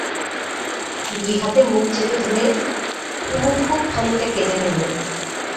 দুই হাতে মুখ চেপে ধরে কুমু খুব খানিকটা কেঁদে নিলে।